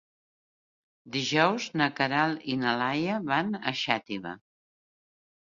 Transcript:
Dijous na Queralt i na Laia van a Xàtiva.